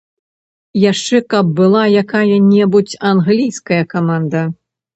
Яшчэ каб была якая-небудзь англійская каманда.